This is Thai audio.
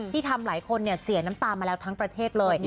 ทำหลายคนเสียน้ำตามาแล้วทั้งประเทศเลย